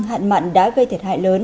hạn mạn đã gây thiệt hại lớn